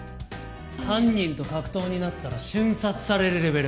犯人と格闘になったら瞬殺されるレベル。